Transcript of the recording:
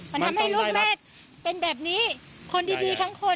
มันทำให้ลูกแม่เป็นแบบนี้คนดีทั้งคน